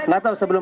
gak tau sebelum